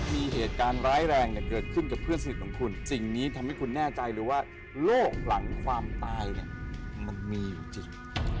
มีเหตุการณ์ร้ายแรงเกิดขึ้นกับเพื่อนสนิทของคุณสิ่งนี้ทำให้คุณแน่ใจเลยว่าโรคหลังความตายเนี่ยมันมีอยู่จริง